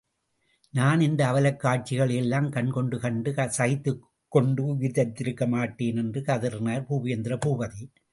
நான் இந்த அவலக் காட்சிகளையெல்லாம் கண்கொண்டு கண்டு சகித்துக்கொண்டு உயிர்தரித்திருக்க மாட்டேன்! என்று கதறினார் பூபேந்திர பூபதி.